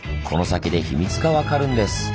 この先で秘密が分かるんです。